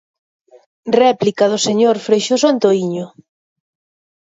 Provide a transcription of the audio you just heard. Réplica do señor Freixoso Antoíño.